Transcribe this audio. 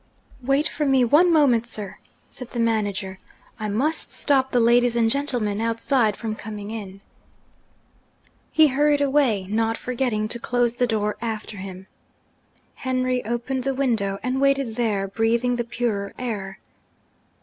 'Wait for me one moment, sir,' said the manager. 'I must stop the ladies and gentlemen outside from coming in.' He hurried away not forgetting to close the door after him. Henry opened the window, and waited there breathing the purer air.